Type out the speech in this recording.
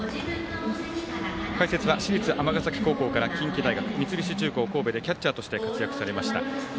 解説は市立尼崎高校から近畿大学三菱重工神戸でキャッチャーとして活躍されました。